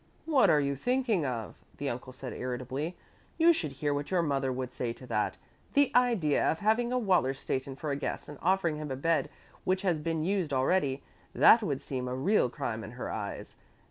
"What are you thinking of," the uncle said irritably. "You should hear what your mother would say to that. The idea of having a Wallerstätten for a guest and offering him a bed which has been used already. That would seem a real crime in her eyes.